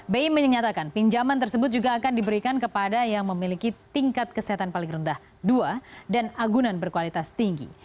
bi menyatakan pinjaman tersebut juga akan diberikan kepada yang memiliki tingkat kesehatan paling rendah dua dan agunan berkualitas tinggi